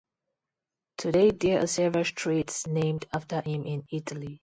Today there are several streets named after him in Italy.